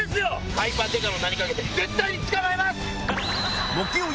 海パン刑事の名に懸けて絶対に捕まえます！